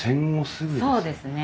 そうですね。